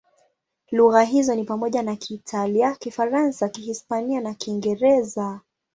Lugha hizo ni pamoja na Kiitalia, Kifaransa, Kihispania na Kiingereza.